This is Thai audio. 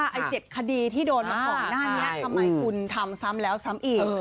ไอ้เจ็ดคดีที่โดนมาของหน้านี้ทำไมคุณทำซัมแล้วซัมอีก